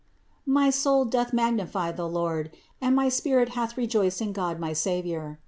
My soul doth magnify the Lord; 47. And my spirit hath rejoiced in God my Saviour.